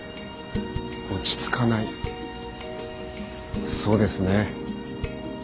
落ち着かないそうですね。